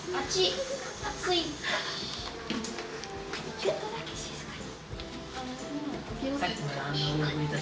ちょっとだけ静かに。